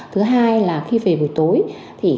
thứ hai là khi về buổi tối thì cái